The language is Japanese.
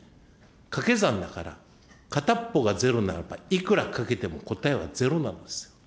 かけ算だから、片っぽがゼロならばいくら掛けても答えはゼロなんですよ。